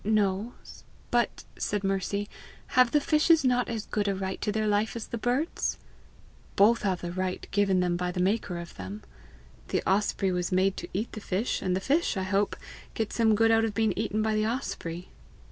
"No. But," said Mercy, "have the fishes not as good a right to their life as the birds?" "Both have the right given them by the maker of them. The osprey was made to eat the fish, and the fish, I hope, get some good of being eaten by the osprey."